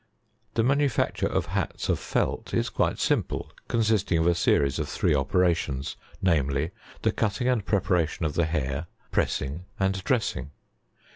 78. [The manufacture of hats of felt is quite simple, con sisting of a series of three operations, namely ; the cutting and preparation of the hair, pressing, and dressing.